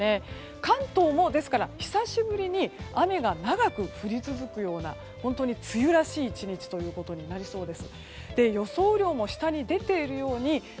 関東も久しぶりに雨が長く降り続くような本当に梅雨らしい一日ということになりそうです。